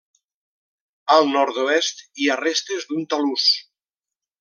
A nord-oest hi ha restes d'un talús.